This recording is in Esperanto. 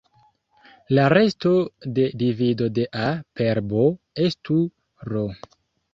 La resto de divido de "a" per "b" estu "r".